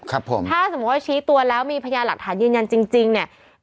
ถ้าสมมุติว่าชี้ตัวแล้วมีพยานหลักฐานยืนยันจริงเนี่ย